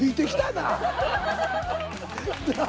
なあ？